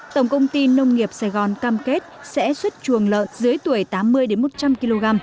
tổng công ty nông nghiệp sài gòn cam kết sẽ xuất chuồng lợn dưới tuổi tám mươi một trăm linh kg